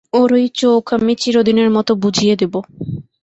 ওর ওই চোখ আমি চিরদিনের মতো বুজিয়ে দেব।